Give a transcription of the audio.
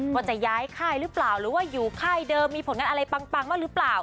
ว่าจะย้ายค่ายหรือเปล่าหรือว่าอยู่ค่ายเดิมมีผลงานอะไรปังบ้างหรือเปล่า